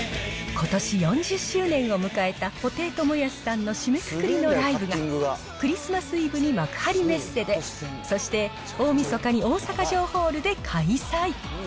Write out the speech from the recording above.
ことし４０周年を迎えた布袋寅泰さんの締めくくりのライブが、クリスマスイブに幕張メッセで、そして、大みそかに大阪城ホールで開催。